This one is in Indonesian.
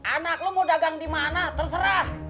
anak lo mau dagang di mana terserah